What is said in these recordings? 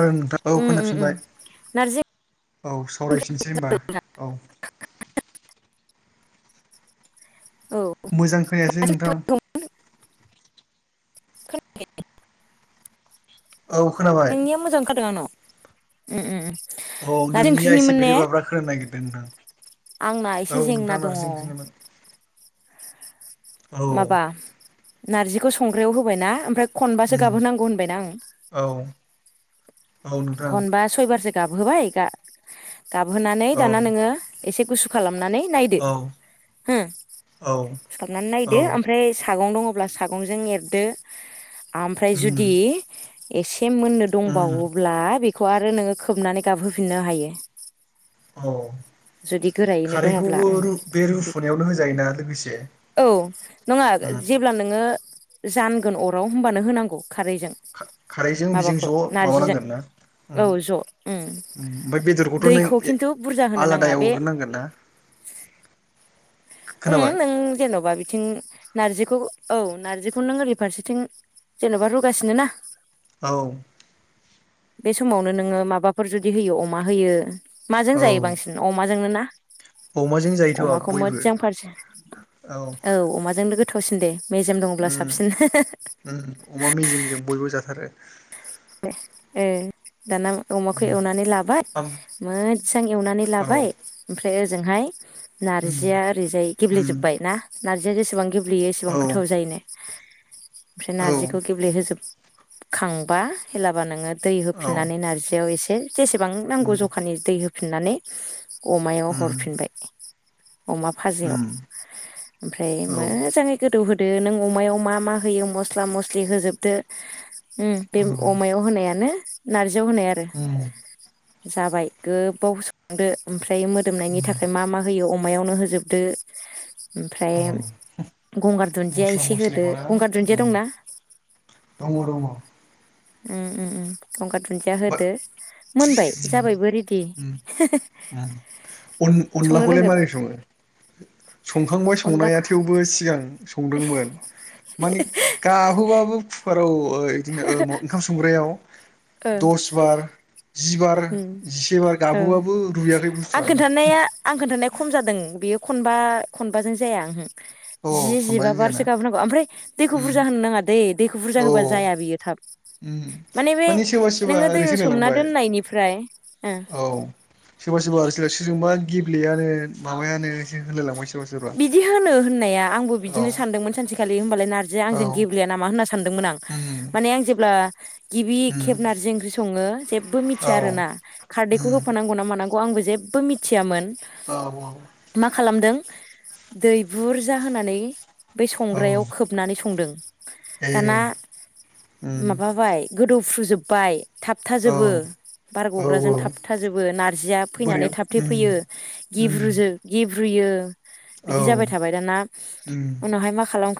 ओं नोंथां औ उम उम उम खोनाफिनबाय। नारजि औ सावरायफिननोसै होनबा औ। औ मोजां खोनायासै नोंथां? [unintelligible] औ खोनाबाय नोंनिया मोजां ओंखारदों आंनाव उम उम उम। औ नारजि नोंनिआ ओंख्रिनिमोन इसे ने बिब्रि बाब्रा खोनायो नोंथां। आंना एसे औ नोंथां जेंना दङ। नारजि ओंख्रिमोन औ माबा नारजिखौ संग्रायाव होबायना ओमफ्राय खनबासो उम गाबहोनांगौ होनबायना आं। औ औ नोंथां खनबा सयबारसो गाबहोबाय गाब गाबहोनानै औ दाना नोङो एसे गुसु खालामनानै नायदो औ हो औ होसस्लाबनानै नायदो औ ओमफ्राय सागं दङ'। अब्ला सागंजों एरदो ओमफ्राय उम जुदि एसे मोननो उम दंबावो दा बेखौ आरो नोङो खोबनानै गाबहोफिननो हायो। औ जुदि गोरायैनो दङब्ला उम खारैखौबो बे रुफुनायावनो होजायोना लोगोसे? औ नङा उम जेब्ला नोङो जानगोन अराव होमबानो होनांगौ। खारैजों खारैजों बेजों माबाखौ ज' नारजिजों माबानांगोन। औ ज' उम ओमफ्राय बेदरखौथ' नों दैखौ खिन्थु बुरजा होनो नाङा आलादायाव बे एवग्रोनांगोन ना? [unintelligible] उम खोनाबाय नों जेन'बा थिं नारजिखौ औ नारजिखौ नों ओरै फारसेथिं जेन'बा रुगासिनो ना? औ। बे समावनो नोङो माबाफोर जुदि होयो अमा होयो। माजों जायो औ बांसिन अमाजोंनो ना? अमाजों जायोथ' अमाखौ बयबो। मोजां औ फारसे औ अमाजोंनो गोथावसिन दे। मेजेम दंब्ला उम साबसिन हा उम अमा हा मेजेमजों बयबो जाथारो ओ। दाना अमाखौ एवनानै लाबाय आम मोजां एवनानै लाबाय औ ओमफ्राय ओमफ्राय ओजोंहाय उम नारजिया ओरैजाय उम गेब्लेेजोबबाय ना नारजिया जेसेबां गे गेब्लेयो एसेबां औ गोथाव जायोनो। ओमफ्राय औ नारजिखौ गेब्लेहोजोब खांबा होलाबा नोङो दै औ होफिननानै नारजियाव एसे जेसेबां उम नांगौ जखानि दै हफिननानै अमायाव उम हरफिनबाय। अमा फाजायाव उम ओमफ्राय औ मोजाङै गोदौहोदो। दे नों अमायाव मा मा होयो मस्ला मस्लि होजोबदो ओ बे औ अमायाव होनायानो नारजियाव होनाय आरो उम जाबाय गोबाव संदो ओमफ्राय मोदोमनायनि उम थाखाय मा मा होयो अ मायावनो होजोबदो ओमफ्राय औ गंगार दुन्दिया मस्ला एसे होदो मस्लिखौना गंगार दुन्दिया उम दंना दङ दङ उ अ दुन्दिया बा होदो मोनबाय जाबायबो रेडि उम उम अन संनो अनलाखौलाय रोंगोन मारै संओ संखांबाय अनला संनाया थेवबो सिगां संदोंमोन मानि गाबहोबाबो कुकाराव ओ बिदिनो ओ ओंखाम संग्रायाव दस बार जि बार ओं जिसे बार ओं गाबहोबाबो रुयाखै आं बुस्थुआनो खोनन्थानाया आं खोनन्थानाया खम जादों बेयो खनबा खनबाजों जाया ओहो अ जि जिबा खनबानो जायाना बारसो गाबहो नांगौ आमफ्राय दैखौ उम बुरजा होनो नाङा दै दैखौ बुरजा औ होबा जाया बियो थाब उम माने बे सोरबा सोरबा नोङो ओरै दैयाव सोमना सोलायलांबाय दोननायनि औ सोरबा सोरबा जोंनि जोबबाय गेब्लेयानो माबायानो सो होनलाय लांबायसो बिदि होनो होननाया आंबो औ बिदिनो सानदोंमोन सानसेखालि होनबालाय नारजिया औ आंजों गेब्लेया नामा होनना सानदोंमोन आं उम माने आं जेब्ला गिबि उम खेब नारजि ओंख्रि सङो जेबो औ मिथिया आरो ना खारदैखौ उम होफानांगौ ना मानांगौ आंबो जेबो मिथियामोन औ औ मा खालामदों दै बुरजा होनानै बे औ संग्रायाव खोबनानै संदों ए दाना उम माबाबाय गोदौफ्रू जोब्बाय औ थाबथाजोबो औ बारग'ग्राजों औ थाबथाजोबो नारजिया बोरै फैनानै औ थाबथे फैयो गेब्रुजों गिब्रु रुयो औ उम औ बिदि जाबाय थाबाय दाना उनावहाय मा खालामखो ओ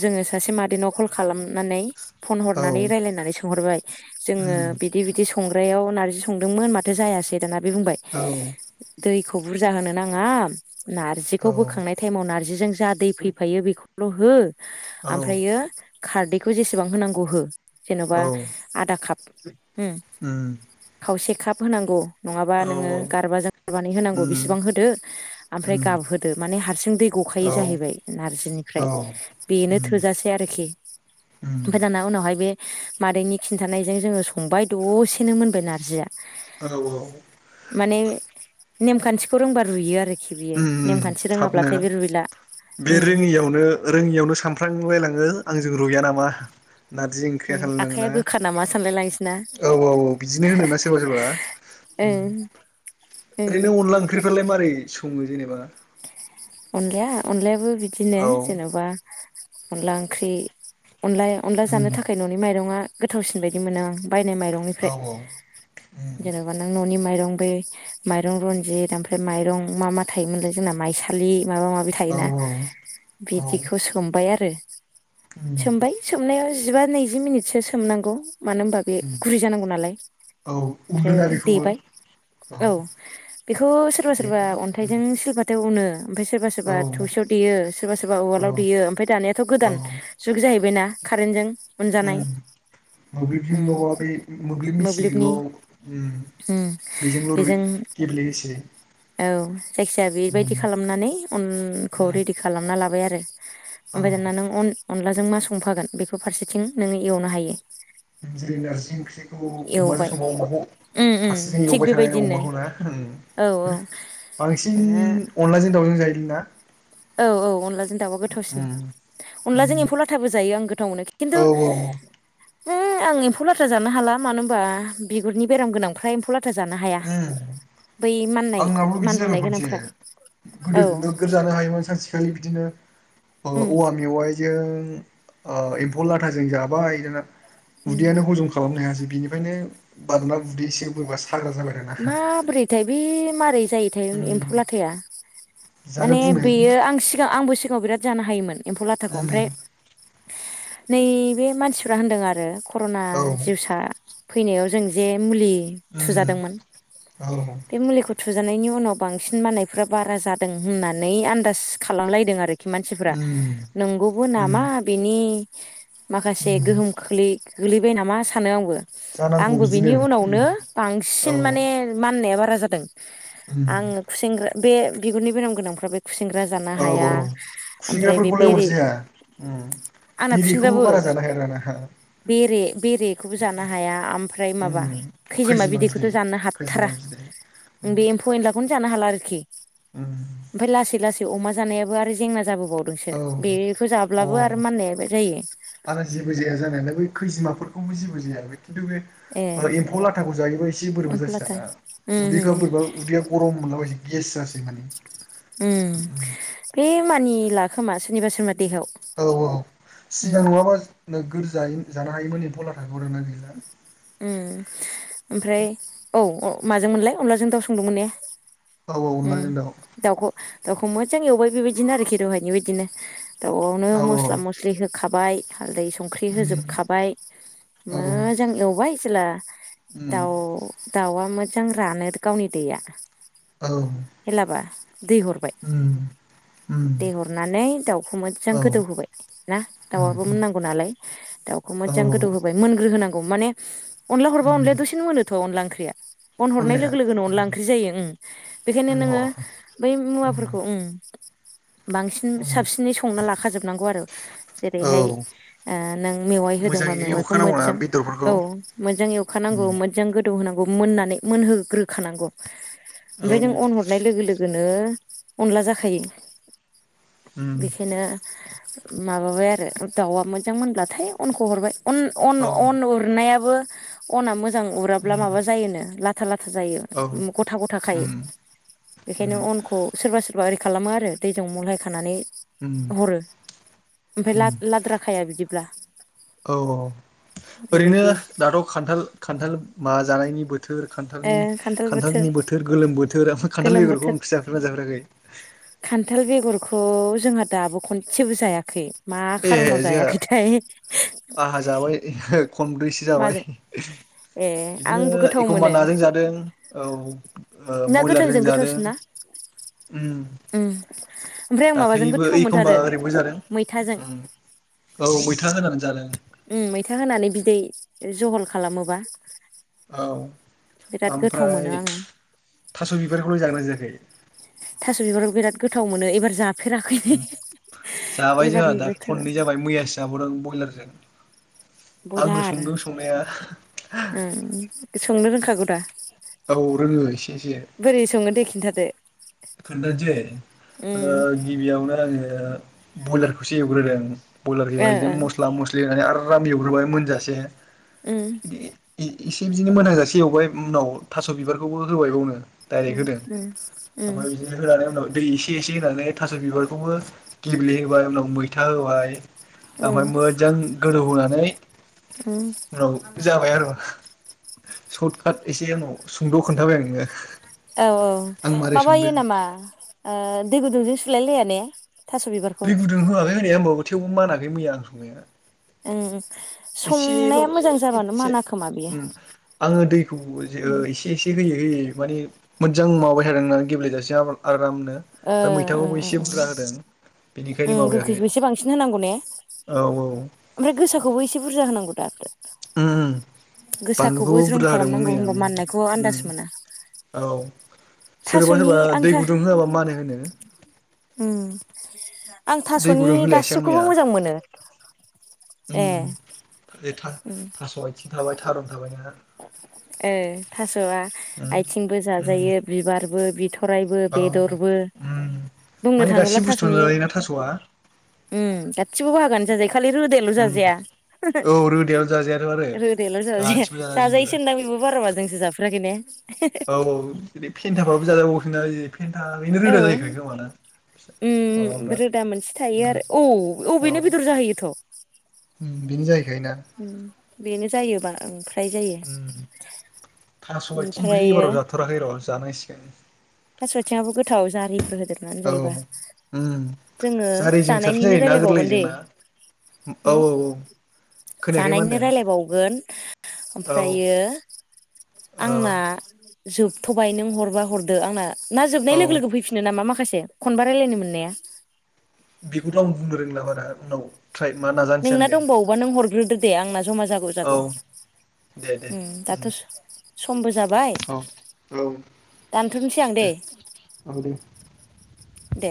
जोङो सासे मादैनाव कल खालामनानै फन हरनानै रायलायनानै सोंहरबाय जोङो उम बिदि बिदि संग्रायाव नारजि संदोंमोन माथो जायासै दाना बे बुंबाय दैखौ बुरजा होनो नाङा औ नार्जिखौ औ बोखांनाय ताइमाव नार्जिजों जा दै फैफायो बेखौल' हो औ ओमफ्रायो खारदैखौ जेसेबां होनांगौ हो जेन'बा आधा काप हो उम खावसे काप होनांगौ नङाबा औ नोङो गारबा जों गारबानै होनांगौ उम बिसिबां होदो ओमफ्राय उम गाबहोदो माने हारसिं दै औ गखायो औ जाहैबाय नारजिनिफ्राय उम बेनो थोजासेै आरोखि ओमफ्राय दाना उनावहाय बे मादैनि खिन्थानायजों जोङो संबाय दसेनो मोनबाय नारजिया औ औ माने नेमखान्थिखौ रोंबा रुइयो आरोखि बियो उम नेमखान्थि रोङाब्लाथाय थाबनो बे रुइला बे उम रोङियावनो रोङियावनो सानफ्रांलायलाङो आंजों रुया नामा नारजि ओंख्रिया उम खालायलाङो आखाइया ना गोखा नामा सानलाय लांसैना औ औ औ बिदिनो होनोना सोरबा सोरबा ओं ओं ओरैनो अनला ओंख्रिफ्रालाय मारै सङो जेनेबा अनलाया अनलायाबो बिदिनो औ जेनेबा अनला ओंख्रि अनला अनला जानो उम थाखाय न'नि माइरंआ गोथावसिन बायदि मोनो आं बायनाय औ माइरंनिफ्राय उम जेनेबा नों न'नि माइ माइरं बे माइरं रनजित ओमफ्राय माइरं मा मा थायोमोनलाय जोंना माइसालि माबा माबि औ थायोना औ बिदिखौ सोमबाय आरो उम सोमबाय सोमनायाव जिबा नैजि मिनिटसो सोमनांगौ मानो होनबा बे उम गुरै जानांगौ नालाय औ ओमफ्राय उनोना बेखौबो देबाय औ बेखौ सोरबा सोरबा देनानै अन्थाइजों सोबा उनो ओमफाय सोरबा सोरबा उम औ थौसियाव देयो, सोरबा सोरबा उवालाव औ देयो ओमफाय दानियाथ' औ गोदान जुग जाहैबायना कारेन्टजों हुनजानाय। मोब्लिबजोंल'आ बे मोब्लिब मोब्लिबनि मेसिनजोंल' ओम उम बेजोंल' रुइ बेजों गेब्लेयोसे? औ जायखिया बेबायदि खालामनानै अनखौ रेडि खालामना लाबाय आरो। औ ओमफाय दाना नों अनलाजों मा संफागोन बेखौ फारसेथिं नोङो एवनो हायो। जेरै नारजि ओंख्रिखौ अमाजों एवबाय संबा अमाखौ उम उम फारसेथिं थिग एवबाय थानानै बेबायदिनो अमाखौ ना उम। औ औ बांसिन नोङो अनलाजों दावउजों जायोलै ना? औ औ अनलाजों। दाउआ गोथावसिन। अनलाजों उम एम्फौ लाथाबो जायो आं गोथाव मोनो खिन्थु औ उम होम आं एम्फौ लाथ्रा जानो हाला मानो होनबा बिगुरनि बेराम गोनांफ्रा एम्फौ ला था जानो हाया। बै माननाय आंनाबो बिदि जादों मानलुनाय खनसेे गोनांफ्रा औ गोदो नोगोर जानो हायोमोन सानसे खालि बिदिनो अ उम औवा मेवाइजों ओ एम्फौ लाथाजों जाबाय दाना उम उदैयानो हजम खालामनो हायासै। बिनिफ्रायनो बारना उदै एसे बोरैबा सा माबोरैथाय बे मारै जायो थाय एम्फौ उम लाथाया? जानो माने बुंनाय बेयो आं सिगां आंबो सिगाङाव बिराद जानो हायोमोन एम्फौ लाथाखौ उम ओमफ्राय, नैबे मानथिफ्रा होन्दों आरो कर'ना औ जिउसा फैनायाव जों जे मुलि उम थुजादोंमोन औ। बे मुलिखौ थुजानायनि उनाव बांसिन मानायफ्रा बारा जादों होननानै आन्दास खालामलायदों आरो खि मानसिफ्रा उम नंगौबो उम नामा बिनि माखासे उम गोहोम खोलोय गोलैबाय नामा सानो आंबो। जानांगौ आंबो बिदिनो बिनि उम उनावनो बां औ सिन माने मान्नाया बारा जादों उम आं खुसेंग्रा बे बिगुरनि बेराम गोनांफ्रा बे खुसेंग्रा जानो औ औ हाया ओमफ्राय बे खुसिंग्राफोरखौलाय बेरे अरजाया उम आंना बेरेखौबो खुसेंग्राबो। बारा जानो हाया दाना बेरे बेरेखौबो जानो हाया ओमफ्राय उम माबा खैजोमा खैजिमा बिदैखौ बिदै थ' जानो हाथारा खैजिमा बिदै उम बे एम्फौ एनलाखौनो जानो हाला आरोखि। उम ओमफाय लासै लासै अमा जानायाबो आरो जेंना जाबो बावदोंसो बेखौ औ जाब्लाबो अ आरो मन्नायाबो जायो। अमाया जेबो जाया बे खिन्थु बे ए आं एम्फौ लाथाखौ जायोबा एसे बोरैबा एम्फौ लाथा जासिनो आरो ना, उम उदैखौ उम बोरैबा उदैया गरम मोनला बायसै गेस सारसे मानि उम बे मानिला खोमा सोरनिबा सोरनिबा देहायाव औ औ उम सिगां नङाबा नोगोर जायो जानो हायोमोन एम्फौ लाथा ओम ओमफ्राय औ औ। माजों मोनलाय अनलाजों दाउ संदोंमोन ने? औ औ ओम अनलाजों दाउ दाउखौ दाउखौ मोजां एवबाय बेबायदिनो आरोखि दहायनि बायदिनो दाउआवनो औ मस्ला मस्लि हो खाबाय हालदै संख्रि उम होजोबखाबाय औ उम मोजां एवबाय जेला दाउ दाउआ मोजां रानो गावनि दैया औ हेलाबा दै हरबाय। उम उम दैे हरनानै दाउखौ मोजां औ गोदौ होबायना, दाउआबो उम मोननांगौ नालाय दाउ खौ औ मोजां गोदौ होबाय मोनग्रो होनांगौ माने अनला हरबा उम अनलाया दसेनो मोनोथ' अनला ओंख्रि अन हरनाय अनलाया लोगो लोगोनो अनला ओंख्रि जायो ओं, बेखायनो नंगौ नोङो औ बै मुवाफोरखौ ओं। बांसिन साबसिनै संना लाखाजोबनांगौ आरो जेरैहाय औ ओ नों मेवाइ होदोंबा मोजाङै मेवाइखौ एवखानांगौना मोजां, बेदरफोरखौ औ मोजां एवखानांगौ उम मोजां गो गोदौ होनागौ मोनानै मोनहो ग्रोखानागौ औ उफाय जों अन उम हरनाय लोगो लोगो नों अनला जाखायो बेखायनो माबाबाय आरो दाउआ मोजां मोनब्लाथाय अनख हरबाय औ अन-अन-अन उरनायाबो अना मोजां उराब्ला उम माबा जायो ला था जायो औ उम गथा गथा खायो उम बेखायनो अनखौ सोरबा सोरबा ओरै खालामो आरो दैजों महाय खानानै उम हरो उम ओमफ्राय लाद्राखाया बिदिब्ला औ ओरैनो बेबायदि दाथ खान्थाल खान्थाल माबा जानायनि बोथोर ओ खान्थालनि खान्थाल खान्थालनि बोथोर गोलोम बोथोर ओमफ्राय खान्थाल गोलोम बेगरखौ बोथोर ओंख्रि जाफेरना जाफेराखै खान्थाल बेगरखौ जोंहा दाबो खनसेबो जायाखै मा ए खारनाव जोंहा जायाखैथाय आंहा जाबाय खनब्रैसो जाबाय माजों ए बिदिनो आंबो गोथाव एखमबा मोनो नाजों जा दों औ ना बयलारजों गोथांजों जादों गोथावसिन ना उ ओम ओमफ्राय आं माबाजों दाख्लैबो गोथाव एखमबा मोनथारो ओरैबो जादों मैथाजों औ बैथा होनानै जादों। उ मैथा होनानै बिदै जहल खालामोबा औ बिराद गोथाव मोनो ओमफ्राय आङो थास बिबारखौनो जागोन जायाखै थास बिबाराबबो बिराद गोथाव मोनो एबार जा जाबाय जोंहा एबारनि दा बोथोराव खननै जाबाय मैयासो जाबावदों ब्रयलारजों बयलार आरो सोंनो रोंखागौ दा औ रोङो एसे एसे बोरै सङो दे खिन्थादो। खोन्थानोसै ओ उम गिबियावनो आङो ओ ब्रयलारखौसो एवग्रोदों ब्रयलार ओ एवनानै ओ बिदिनो मस्ला मस्लि होनानै आरा म एवग्रोबाय मोनजासे उम बिदि इसे बिदिनो मोजांजासे एवबाय उनाव थास' बिबारखौबो होबायबावनो उ उ आ बि बिजनेस रानै हो दै एसे एसे होनानै थास बिबारखौबो गेब्ले होबाय उनाव मैथा होबाय उम ओमफ्राय मोजां गोदौ होनानै उम उनाव जाबाय आरोा सर्ट काट एसे उनाव सुंद खोनथाबाय आरो नोङो औ औ माबायो नामा ओ दै गुदुंजों सुलाय लाया ने थास' बिबारखौ दै गुदुं होआखै होनाया होमबाबो थेवबो मानाखै मैया आं संनाया उ एसेल एसे खोमा बियो उ आङो दैखौ एसे एसे होयो। माने मोजां माबाय थादों होननानै गेब्लेेजासिम आरामनो ओमफ्राय मैथाखौबो एसे बुरजा होदों। उ बेनिखायनो माबायाखै गोखैखौ एसे बांसिन होनांगौ ने औ औ ओमफ्राय गोसाखौबो एसे बुरजा होनांगौ दाथ उ उ बानलुखौबो ज्रोम बुरजा होदोंमोन खालामनांगौ मैया औ होमबा माननायखौ आन्दाज मोना सोरबा थास'नि सोरबा आं दै था गुदुं होआबा मानो होनो उम आं दै थासनि गुदुं होलायासै आं गाससिखौबो मैया मोजां मोनो ए उम थास आथिं थाबाय थारुन थाबाय ना ओ थासआ आथिंबो उम जाजायो आरोबो बि थरायबो औ बेदरबो उम बुंनो माने थाङोब्ला गासै बुस्थुआनो थास'नि जाजायोना थास'आ उ गासिबो बाहागानो जा जायो खालि रोदायाल उम जाजाया औ रोदायाव जाजायाथ' आरो रोदायाल जाजाया गासिबो जाजाजोबो जाजायोसो होनदां बे बाराबा जोंसो जाफेराखै ने औ औ बिदि फेन्थाफ्राबो जाजाबावोसोनो ओरै फेन्था बेनो रोदा जायैखायो खोमाना ओम रोदा मोनसे थायो उम आरो औे औ‌ औ बेनो बेदर जाहैयोथ' बेनो जाहैखायो ना? बेनो जायोबा ओंख्रि फ्राय जायो उम थास' आथिंखौसो ओमफ्रायो एबाराव जाथाराखै र' जानांसिगोन थास'आथिङाबो गोथाव जारिफोर हो देरनानै औ जायोबा उम जोङो जारिजों साबसिन जानायनिनो जायोना रायलायबावगोन गोरलैजों दै ना औ औ औ खोनायाखै मा जानायनिनो होनदों राय्लायबावगोन औ ओमफ्रायो ओ आंना जोबथ'बाय नों हरबा हरदो आंना ना जोबनाय लोगो औ लोगो फैफिनो नामा माखासे? खनबा रायलायनो मोननाया? बेखौथ' आं बुंनो रोंला बारा उनाव ट्राइ मा नाजानोसै आं नोंना दे दंबावोबा नों हरग्रोदो दे आंना जमा जागौ औ जागौ दे दे ओम दाथ' समबो जाबाय औ दानथ'नोसै आं दे औ दे दे